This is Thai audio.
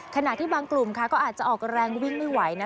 ขณะที่บางกลุ่มค่ะก็อาจจะออกแรงวิ่งไม่ไหวนะ